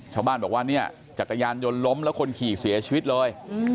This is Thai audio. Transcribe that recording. ชาวบ้านบอกว่าเนี่ยจักรยานยนต์ล้มแล้วคนขี่เสียชีวิตเลย